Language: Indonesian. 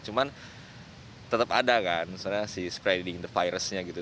cuman tetap ada kan soalnya si spreading the virusnya gitu